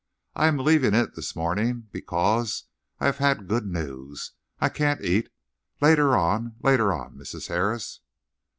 I am leaving it this morning because I have had good news. I can't eat. Later on later on, Mrs. Harris."